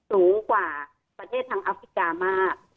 สูงกว่าประเทศทางอัฟริกามาก